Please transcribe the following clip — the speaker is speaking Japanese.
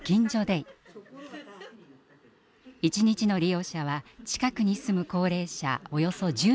一日の利用者は近くに住む高齢者およそ１０人です。